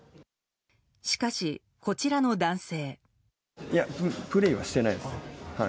しかし、こちらの男性。